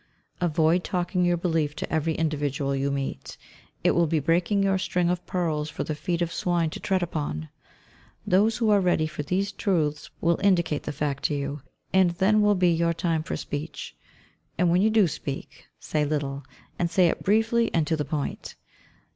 Avoid talking your belief to every individual you meet. It will be breaking your string of pearls for the feet of swine to tread upon. Those who are ready for these truths will indicate the fact to you, and then will be your time for speech. And when you do speak, say little, and say it briefly and to the point.